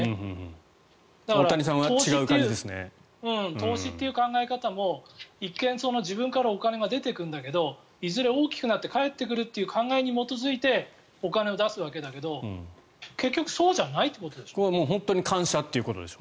投資という考え方も一見、自分からお金が出てくんだけどいずれ大きくなって返ってくるという考えに基づいてお金を出すわけだけど結局そうじゃないということでしょ？